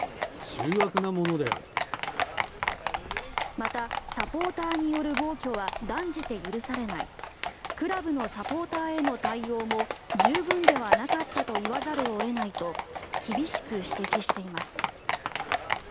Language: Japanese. またサポーターによる暴挙は断じて許されないクラブのサポーターへの対応も十分ではなかったと言わざるを得ないと厳しく指摘しています。